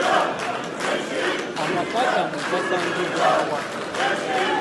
Amaka gammwe gasangibwawa?